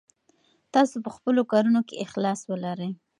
تاسو په خپلو کارونو کې اخلاص ولرئ.